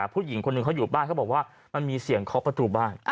ผู้หญิงคนหนึ่งเขาอยู่บ้านเขาบอกว่ามันมีเสียงเคาะประตูบ้าน